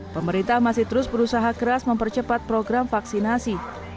pemerintah masih terus berusaha keras mempercepat program vaksinasi